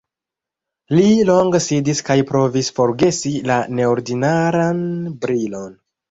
Li longe sidis kaj provis forgesi la neordinaran brilon.